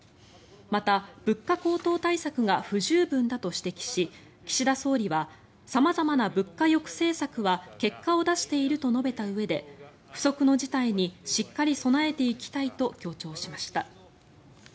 また、物価高騰対策が不十分だと指摘し岸田総理は様々な物価抑制策は結果を出していると述べたうえで不測の事態にしっかり備えていきたいと強調しました。